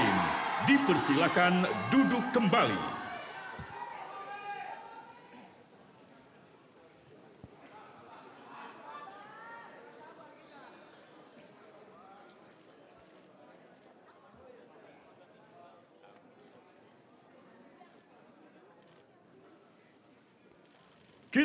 indonesia raya merdeka merdeka